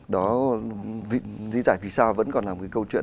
đó dĩ dải vì sao vẫn còn là một cái câu chuyện